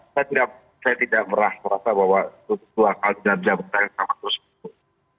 saya tidak merah perasa bahwa itu akal jajar jajar yang sama terus berlaku